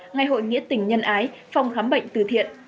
ngày hội nghĩa tình nhân ái phòng khám bệnh từ thiện